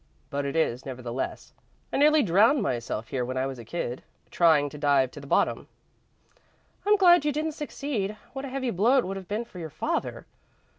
"But it is, nevertheless. I nearly drowned myself here when I was a kid, trying to dive to the bottom." "I'm glad you didn't succeed. What a heavy blow it would have been to your father!"